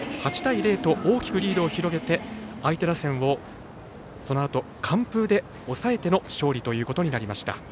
８対０と大きくリードを広げて相手打線をそのあと完封で抑えての勝利ということになりました。